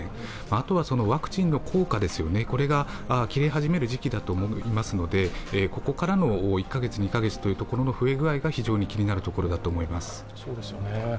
あとはワクチンの効果が切れ始める時期だと思いますのでここからの１カ月、２カ月の増え具合が非常に気になるところだと思います。